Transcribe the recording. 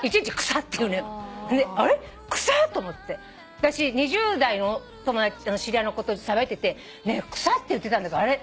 私２０代の知り合いの子としゃべっててねえ草って言ってたんだけどあれ